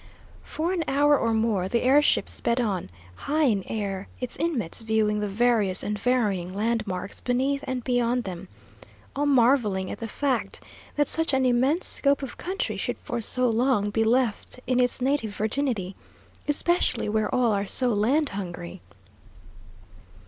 For an hour or more the air ship sped on, high in air, its inmates viewing the various and varying landmarks beneath and beyond them, all marvelling at the fact that such an immense scope of country should for so long be left in its native virginity, especially where all are so land hungry.